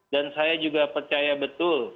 dan saya juga percaya betul